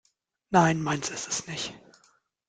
Nein, meins ist es nicht.